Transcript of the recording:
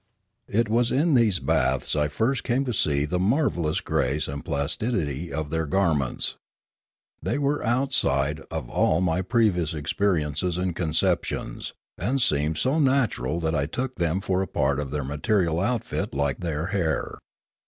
It was in these baths I first came to see the marvel lous grace and plasticity of their garments. They were outside of all my previous experiences and concep tions, and seemed so natural that I took them for a part of their material outfit like their hair.